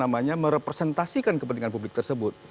merepresentasikan kepentingan publik tersebut